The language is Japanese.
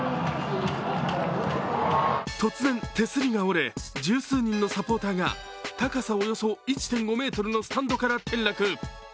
突然、手すりが折れ、十数人のサポーターが高さおよそ１．５ｍのスタンドから転落。